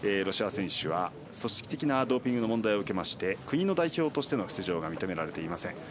ロシア選手は組織的なドーピング問題を受けまして国の代表としての出場が認められていません。